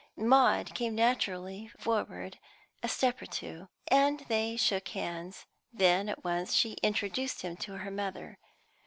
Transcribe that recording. Maud came naturally forward a step or two, and they shook hands; then at once she introduced him to her mother.